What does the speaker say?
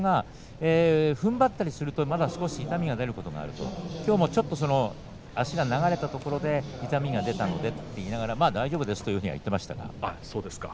ふんばったりするとまだ少し痛みが出ることがあると今日もちょっと足が流れたところで痛みが出たのででも大丈夫ですという話をしていました。